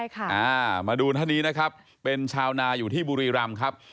มาดูท่านนี้นะครับเป็นชาวนาอยู่ที่บุรีรำครับ